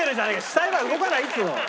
死体は動かないっつうの。